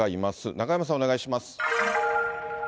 中山さん、お願いします。